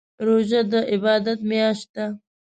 روژه دي عبادات میاشت ده